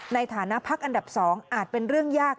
ในฐานะพักอันดับ๒อาจเป็นเรื่องยาก